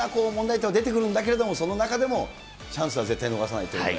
いろんな問題っていうのが出てくるんだけれども、その中でもチャンスは絶対逃さないと。